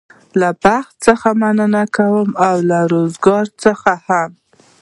له بخت څخه مننه کوم او له روزګار څخه هم.